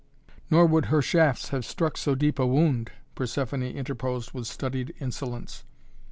"Nor would her shafts have struck so deep a wound," Persephoné interposed with studied insolence.